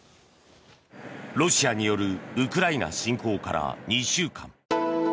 ロシアによるウクライナ侵攻から２週間。